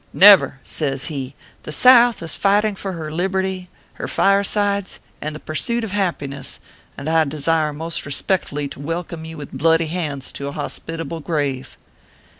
" Never !" says he. " The South is fighting for her liberty, her firesides, and the pursuit of happiness, and I desire most respectfully to welcome you with bloody hands to a hospitable grave."